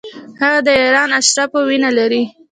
هغه د ایران اشرافو وینه لري.